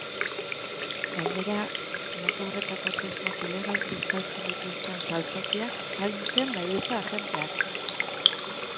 Gainera, mota horretako tresnak ilegalki saltzen dituzten saltokiak zaintzen dabiltza agenteak.